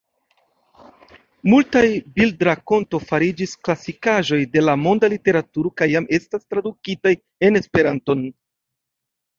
Multaj bildrakontoj fariĝis klasikaĵoj de la monda literaturo kaj jam estas tradukitaj en Esperanton.